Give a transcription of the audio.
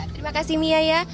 terima kasih mia ya